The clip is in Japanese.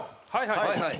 はいはい。